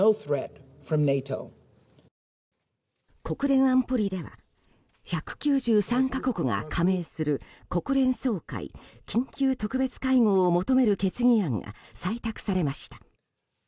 国連安保理では１９３か国が加盟する国連総会、緊急特別会合を求める決議案が採択されました。